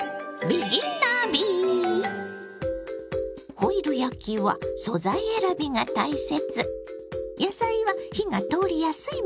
ホイル焼きは素材選びが大切。